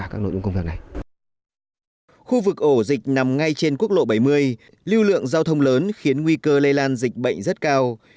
khu vực ổ dịch nằm ngay trên quốc lộ bảy mươi lưu lượng giao thông lớn khiến nguy cơ lây lan dịch bệnh rất cao